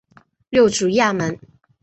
六足亚门。